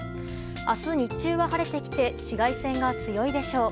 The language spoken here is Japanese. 明日、日中は晴れてきて紫外線が強いでしょう。